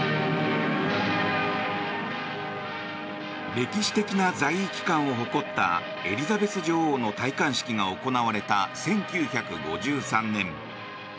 歴史的な在位期間を誇ったエリザベス女王の戴冠式が行われた１９５３年。